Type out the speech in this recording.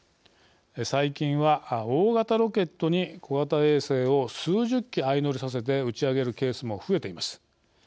最近は大型ロケットに小型衛星を数十機、相乗りさせて打ち上げるケースも増えています。